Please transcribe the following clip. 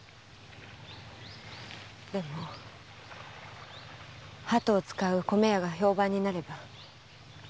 でもハトを使う米屋が評判になれば。